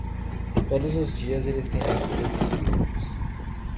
Todos os dias eles têm mais produtos celíacos.